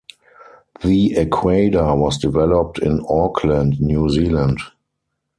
The Aquada was developed in Auckland, New Zealand.